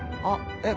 えっ？